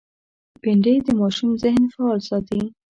بېنډۍ د ماشوم ذهن فعال ساتي